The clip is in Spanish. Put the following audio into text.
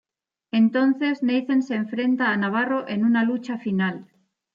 Entonces Nathan se enfrenta a Navarro en una lucha final.